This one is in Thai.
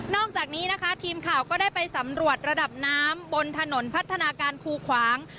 อกจากนี้นะคะทีมข่าวก็ได้ไปสำรวจระดับน้ำบนถนนพัฒนาการคูขวาง